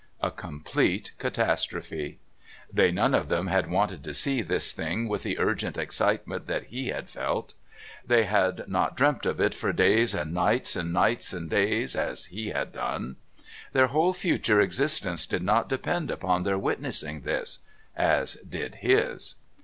A complete catastrophe. They none of them had wanted to see this thing with the urgent excitement that he had felt. They had not dreamt of it for days and nights and nights and days, as he had done. Their whole future existence did not depend upon their witnessing this, as did his.